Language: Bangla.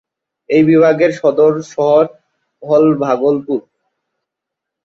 এই বিভাগের সদর শহর হলভাগলপুর।